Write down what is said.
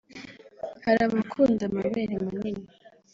hari abakunda amabere manini